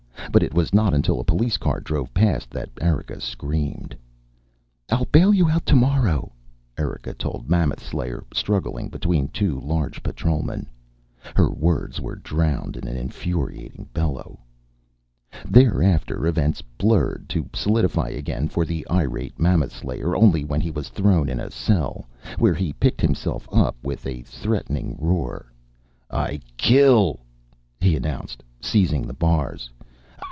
But it was not until a police car drove past that Erika screamed.... "I'll bail you out tomorrow," Erika told Mammoth Slayer, struggling between two large patrolmen. Her words were drowned in an infuriated bellow. Thereafter events blurred, to solidify again for the irate Mammoth Slayer only when he was thrown in a cell, where he picked himself up with a threatening roar. "I kill!" he announced, seizing the bars.